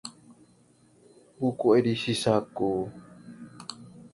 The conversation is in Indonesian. buku edisi saku